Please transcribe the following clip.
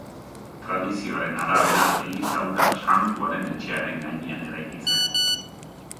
Tradizioaren arabera eliza hura santuaren etxearen gainean eraiki zen.